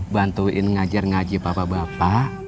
bantuin ngajar ngaji bapak bapak